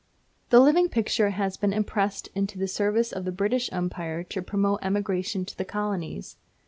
The Living Picture has even been impressed into the service of the British Empire to promote emigration to the Colonies.